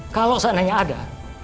kalau seandainya ada